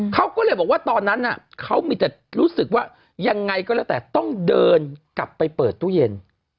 เขาก็เลยบอกว่าตอนนั้นเขามีแต่รู้สึกว่ายังไงก็แล้วแต่ต้องเดินกลับไปเปิดตู้เย็น